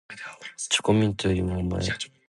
チョコミントよりもおまえ